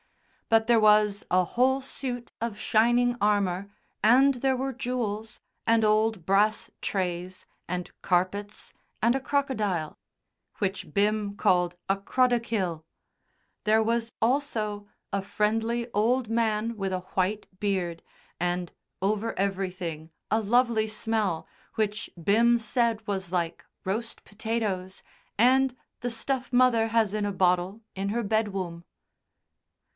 But there was a whole suit of shining armour, and there were jewels, and old brass trays, and carpets, and a crocodile, which Bim called a "crodocile." There was also a friendly old man with a white beard, and over everything a lovely smell, which Bim said was like "roast potatoes" and "the stuff mother has in a bottle in her bedwoom."